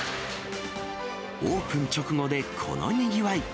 オープン直後でこのにぎわい。